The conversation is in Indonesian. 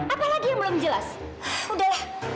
apa lagi yang belum jelas udah lah